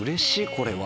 これは。